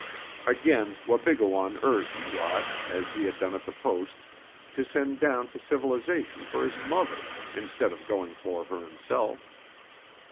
Again Wabigoon urged Rod, as he had done at the Post, to send down to civilization for his mother instead of going for her himself.